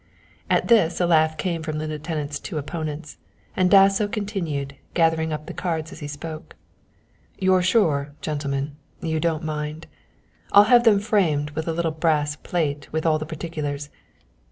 At this a laugh came from the Lieutenant's two opponents, and Dasso continued, gathering up the cards as he spoke "You're sure, gentlemen, you don't mind. I'll have them framed with a little brass plate with all the particulars.